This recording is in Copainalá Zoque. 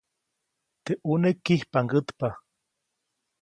Teʼ ʼuneʼ kijpʼaŋgätpa.